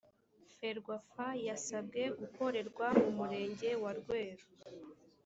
ferwafa yasabwe gukorerwa mu murenge wa rweru